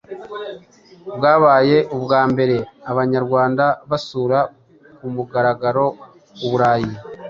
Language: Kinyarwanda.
Bwabaye ubwa mbere Abanyarwanda basura ku mugaragaro u Burayi.